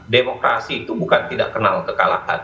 demokrasi itu bukan tidak kenal kekalahan